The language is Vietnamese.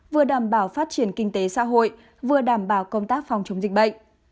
vừa đảm bảo phát triển kinh tế xã hội vừa đảm bảo công tác phòng chống dịch bệnh